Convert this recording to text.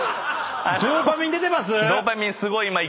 ドーパミン出てます？